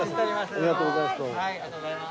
ありがとうございますどうも。